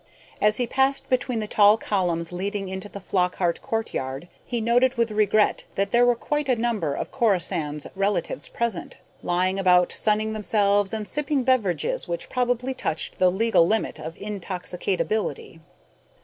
As he passed between the tall columns leading into the Flockhart courtyard, he noted with regret that there were quite a number of Corisande's relatives present, lying about sunning themselves and sipping beverages which probably touched the legal limit of intoxicatability.